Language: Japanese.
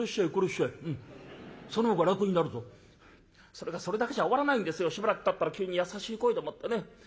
「それがそれだけじゃ終わらないんですよしばらくたったら急に優しい声でもってね